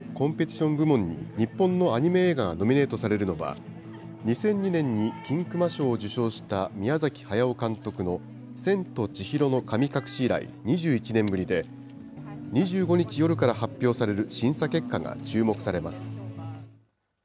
ベルリン国際映画祭のコンペティション部門に日本のアニメ映画がノミネートされるのは、２００２年に金熊賞を受賞した宮崎駿監督の千と千尋の神隠し以来、２１年ぶりで、２５日夜から発表される審査結果が注目されます。